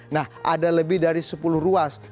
nah ada lebih dari sepuluh ruas